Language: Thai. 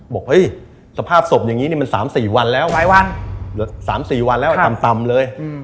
บอกว่าเฮ้ยสภาพศพอย่างนี้มัน๓๔วันแล้ว๓๔วันแล้วต่ำเลย